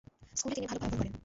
স্কুলে তিনি ভাল ফলাফল করেন।